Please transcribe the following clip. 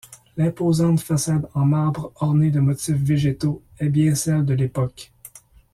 L'imposante façade en marbre ornée de motifs végétaux est bien celle de l'époque.